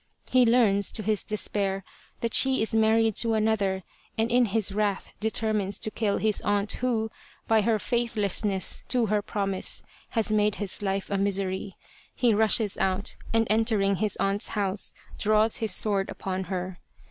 He learns, to his despair, that she is married to another, and in his wrath determines to kill his aunt who, by her faith lessness to her promise, has made his life a misery. He rushes out and entering his aunt's house draws his sword upon her.